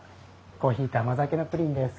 コーヒーと甘酒のプリンです。